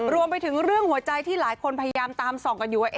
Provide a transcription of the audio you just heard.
รวมไปถึงเรื่องหัวใจที่หลายคนพยายามตามส่องกันอยู่ว่า